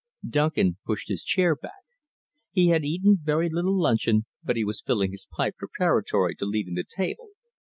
Duncan pushed his chair back. He had eaten very little luncheon, but he was filling his pipe preparatory to leaving the table.